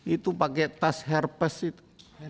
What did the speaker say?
itu pakai tas herpes itu